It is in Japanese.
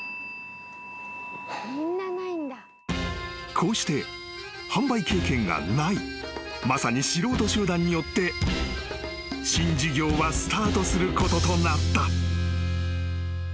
［こうして販売経験がないまさに素人集団によって新事業はスタートすることとなった］